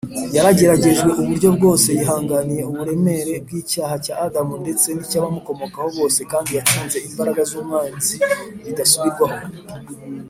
yarageragejwe uburyo bwose yihanganiye uburemere bw’icyaha cya adamu, ndetse n’icy’abamukomokaho bose, kandi yatsinze imbaraga z’umwanzi bidasubirwaho